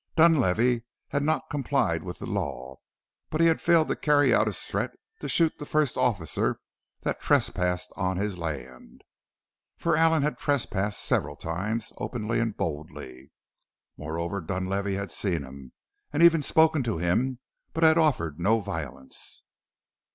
Dunlavey had not complied with the law, but he had failed to carry out his threat to "shoot the first officer that trespassed on his land," for Allen had trespassed several times, openly and boldly. Moreover, Dunlavey had seen him, had even spoken to him, but had offered no violence.